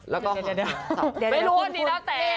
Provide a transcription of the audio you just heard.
ไม่รู้ว่านี่นะแต่